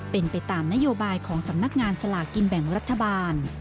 เป็นไปตามนโยบายของสำนักงานสลากกินแบ่งรัฐบาล